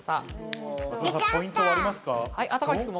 ポイントはありますか？